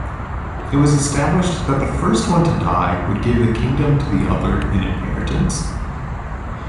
It was established that the first one to die would give the kingdom to the other in inheritance.